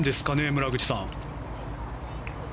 村口さん。